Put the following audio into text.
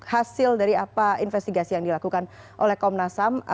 hasil dari apa investigasi yang dilakukan oleh komnas ham